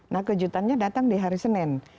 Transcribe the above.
nah kejutannya datang di hari senin